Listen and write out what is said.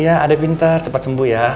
iya adek pintar cepat sembuh ya